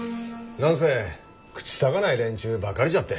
何せ口さがない連中ばかりじゃって。